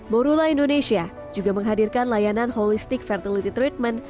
morula indonesia juga menghadirkan layanan holistic fertility treatment